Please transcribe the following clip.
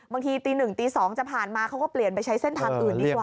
บางทีตี๑ตี๒จะผ่านมาเขาก็เปลี่ยนไปใช้เส้นทางอื่นดีกว่า